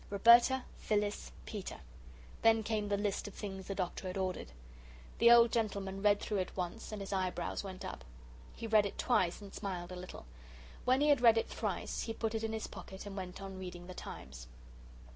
"Roberta. "Phyllis. "Peter." Then came the list of things the Doctor had ordered. The old gentleman read it through once, and his eyebrows went up. He read it twice and smiled a little. When he had read it thrice, he put it in his pocket and went on reading The Times.